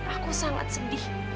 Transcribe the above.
aku sangat sedih